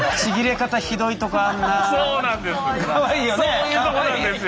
そういうとこなんですよ。